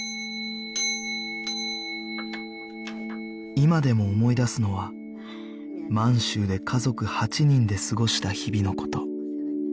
今でも思い出すのは満州で家族８人で過ごした日々の事